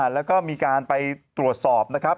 แล้วก็มีการไปตรวจสอบนะครับ